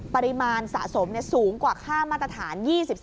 ปริมาณสะสมสูงกว่าค่ามาตรฐาน๒๓